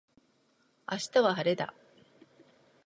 明日は晴れだ。